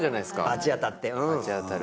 罰当たって。